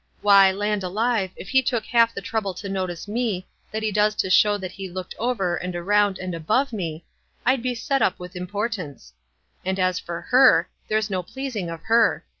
Why, land alive, if he took half the trouble to notice me, that he does to show that he looked over, and around, and above me, I'd be set up with importance; and as for her, there's no pleasing of her.